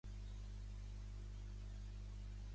Apareix principalment a "SportsCenter" i "Baseball Tonight".